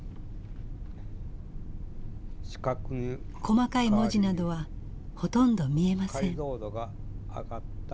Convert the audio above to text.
細かい文字などはほとんど見えません。